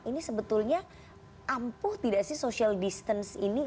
ini sebetulnya ampuh tidak sih social distance ini